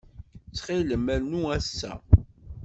Ttxil-m, rnu ass-a.